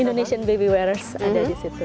indonesian baby warres ada di situ